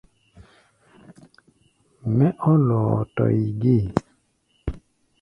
Mɛ́ ɔ́ lɔɔtɔɛ gée.